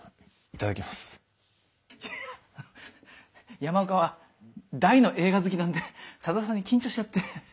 山岡は大の映画好きなんで佐田さんに緊張しちゃって。